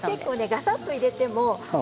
がさっと入れてもね。